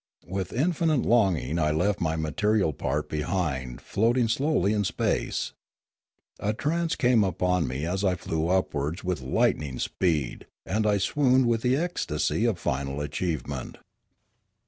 With infinite longing I left my material part behind floating slowly in space. A trance came upon me as I flew upwards with lightning speed and I swooned with the ecstasy of final achievement.